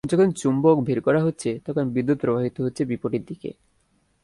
যখন চুম্বক বের করা হচ্ছে, তখন বিদ্যুৎ প্রবাহিত হচ্ছে বিপরীত দিকে।